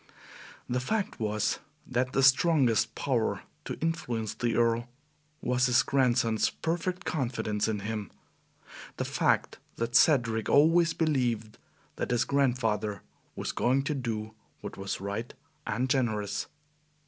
The fact was that the strongest power to influence the Earl was his grandson's perfect confidence in him the fact that Cedric always believed that his grandfather was going to do what was right and generous.